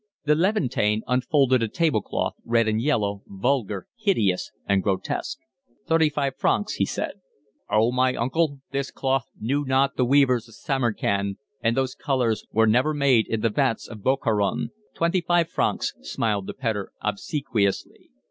The Levantine unfolded a table cloth, red and yellow, vulgar, hideous, and grotesque. "Thirty five francs," he said. "O, my uncle, this cloth knew not the weavers of Samarkand, and those colours were never made in the vats of Bokhara." "Twenty five francs," smiled the pedlar obsequiously.